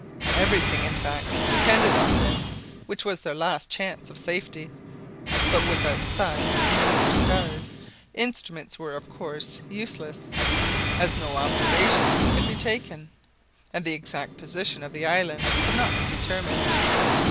Everything, in fact, depended upon this, which was their last chance of safety. But without sun, moon, or stars, instruments were of course useless, as no observations could be taken, and the exact position of the island could not be determined.